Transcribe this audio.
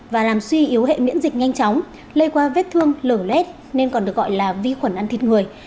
và làm suy yếu hệ miễn dịch nhanh chóng lây qua vết thương lở lét nên còn được gọi là vi khuẩn ăn thịt người